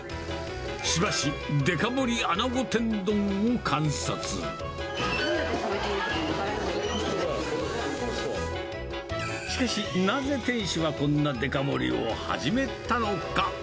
しばし、どうやって食べていいのか分しかし、なぜ店主はこんなデカ盛りを始めたのか。